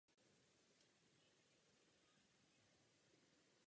Hrad mohl být však starší.